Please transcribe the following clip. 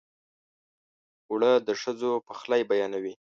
اوړه د ښځو پخلی بیانوي